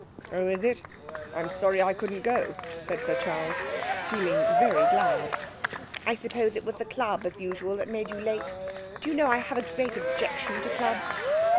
'Oh, is it? I'm sorry I couldn't go,' said Sir Charles, feeling very glad. 'I suppose it was the club, as usual, that made you late. Do you know, I have a great objection to clubs.'